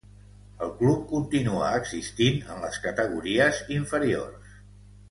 El club continua existint en les categories inferiors.